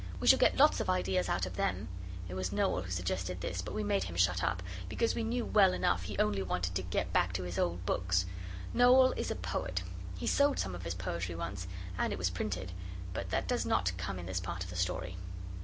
We shall get lots of ideas out of them.' It was Noel who suggested this, but we made him shut up, because we knew well enough he only wanted to get back to his old books. Noel is a poet. He sold some of his poetry once and it was printed, but that does not come in this part of the story.